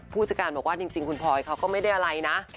ผู้จัดการบอกว่าจริงคุณพลอยเขาก็ไม่ได้อะไรนะ